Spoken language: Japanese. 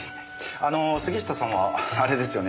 あの杉下さんはあれですよね。